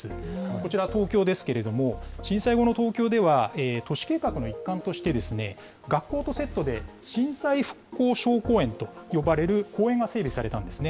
こちら東京ですけれども、震災後の東京では、都市計画の一環として、学校とセットで震災復興小公園と呼ばれる公園が整備されたんですね。